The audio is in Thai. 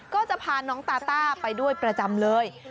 ก็จะพาน้องตาต้าไปด้วยประจำเลย